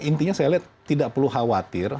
intinya saya lihat tidak perlu khawatir